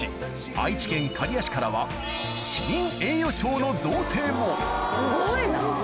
愛知県刈谷市からは市民栄誉賞の贈呈もすごいなぁ。